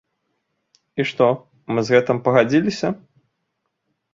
І што, мы з гэтым пагадзіліся?